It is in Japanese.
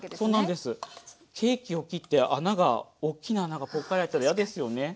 ケーキを切って穴がおっきな穴がポッカリあいてたら嫌ですよね。